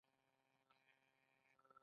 بله ټولنه له زده کړو سره کار لري.